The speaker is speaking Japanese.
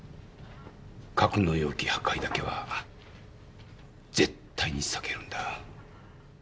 格納容器破壊だけは絶対に避けるんだ。